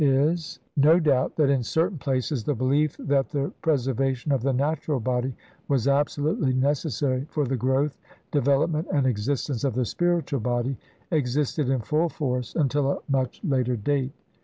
LXXIII no doubt that in certain places the belief that the preservation of the natural body was absolutely ne cessary for the growth, development, and existence of the spiritual body, existed in full force until a much later date.